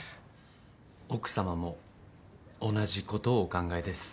奥様も同じことをお考えです。